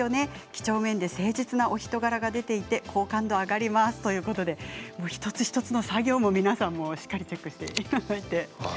きちょうめんで誠実なお人柄が出ていて好感度上がりますということで一つ一つの作業も皆さんしっかりチェックしていただいて。